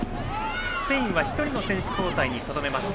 スペインは１人の選手交代にとどめました。